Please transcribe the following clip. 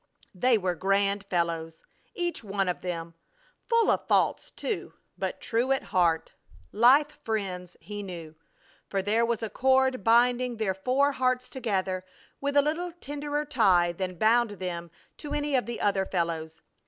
They were grand fellows, each one of them; full of faults, too, but true at heart. Life friends he knew, for there was a cord binding their four hearts together with a little tenderer tie than bound them to any of the other fellows.